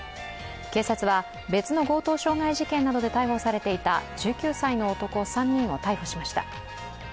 警察は別の強盗傷害事件などで逮捕されていた１９歳の男３人を逮捕しました。